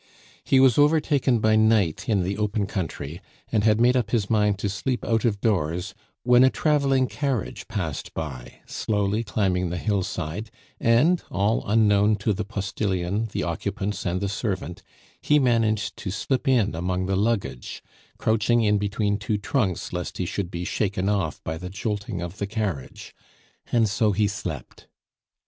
He was overtaken by night in the open country, and had made up his mind to sleep out of doors, when a traveling carriage passed by, slowly climbing the hillside, and, all unknown to the postilion, the occupants, and the servant, he managed to slip in among the luggage, crouching in between two trunks lest he should be shaken off by the jolting of the carriage and so he slept.